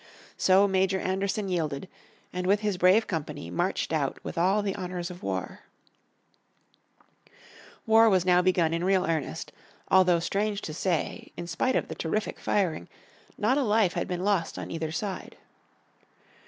So Major Anderson yielded, and with his brave company marched out with all the honours of war. War was now begun in real earnest, although strange to say, in spite of the terrific firing, not a life had been lost on either side.